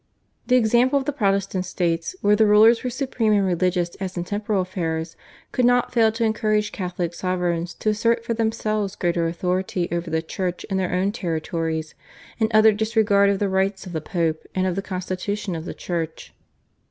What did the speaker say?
The example of the Protestant states, where the rulers were supreme in religious as in temporal affairs, could not fail to encourage Catholic sovereigns to assert for themselves greater authority over the Church in their own territories, in utter disregard of the rights of the Pope and of the constitution of the Church.